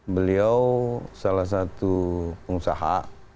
beliau salah satu pengusaha